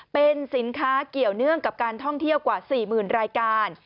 เป็นสินค้าเกี่ยวเนื่องกับการท่องเที่ยวกว่า๔๐๐๐รายการ